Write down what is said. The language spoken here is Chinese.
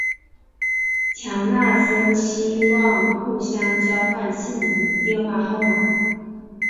强纳森希望互相交换姓名和电话号码。